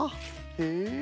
へえ。